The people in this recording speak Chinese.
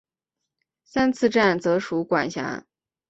三次站则属管辖。